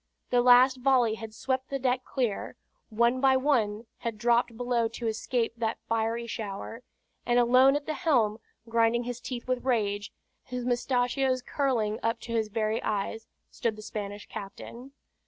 The last volley had swept the deck clear; one by one had dropped below to escape that fiery shower: and alone at the helm, grinding his teeth with rage, his mustachios curling up to his very eyes, stood the Spanish captain.